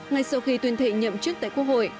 ngay sau khi tuyên thệ nhậm chức tại quốc hội